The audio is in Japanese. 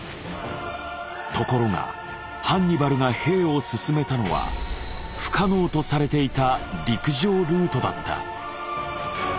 ところがハンニバルが兵を進めたのは不可能とされていた陸上ルートだった！